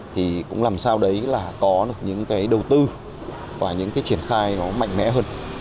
thì cũng làm sao đấy là có được những cái đầu tư và những cái triển khai nó mạnh mẽ hơn